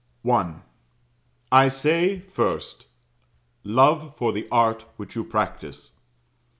I. I say, first, Love for the art which you practise.